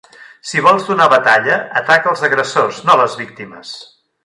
Si vols donar batalla, ataca els agressors, no les víctimes.